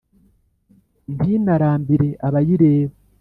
ntinarambire abayireba ;